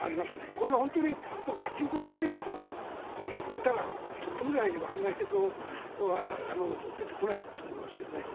これが本当に、ガチンコの最後のところに行ったらとてもじゃないけどあんな映像は出てこないと思いますけどね。